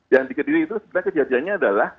yang di kediri itu sebenarnya kejadiannya adalah